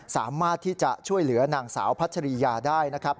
สามารถที่จะช่วยเหลือนางสาวพัชริยาได้นะครับ